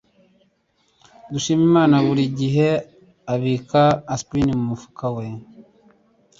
Dushimimana buri gihe abika aspirine mu mufuka we.